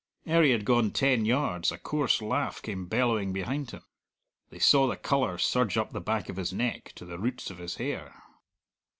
Ere he had gone ten yards a coarse laugh came bellowing behind him. They saw the colour surge up the back of his neck, to the roots of his hair.